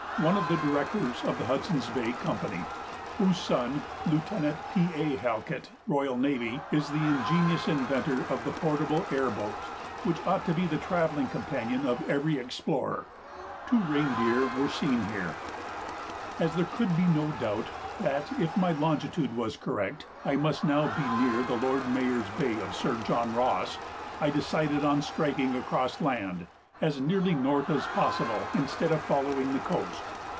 one of the Directors of the Hudson's Bay Company, whose son (Lieut. P. A. Halkett, R.N.,) is the ingenious inventor of the portable air boat, which ought to be the travelling companion of every explorer. Two reindeer were seen here. As there could be no doubt that, if my longitude was correct, I must now be near the Lord Mayor's Bay of Sir John Ross, I decided on striking across land, as nearly north as possible, instead of following the coast.